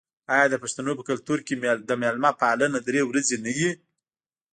آیا د پښتنو په کلتور کې د میلمه پالنه درې ورځې نه وي؟